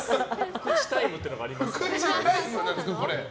福地タイムっていうのがありますから。